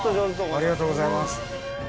ありがとうございます。